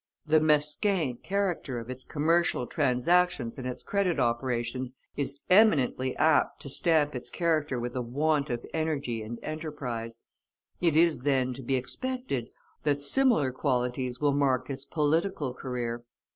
The mesquin character of its commercial transactions and its credit operations is eminently apt to stamp its character with a want of energy and enterprise; it is, then, to be expected that similar qualities will mark its political career.